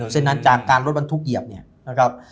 เช่นนั้นจากการรถบรรทุกเหยียบเนี่ยนะครับ